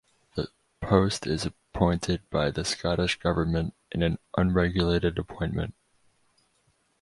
The post is appointed by the Scottish Government in an unregulated appointment.